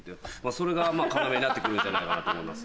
それが要になって来るんじゃないかなと思います